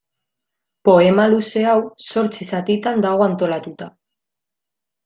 Poema luze hau zortzi zatitan dago antolatuta.